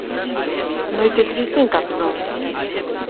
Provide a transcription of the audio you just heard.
Noite triste en Camp Nou.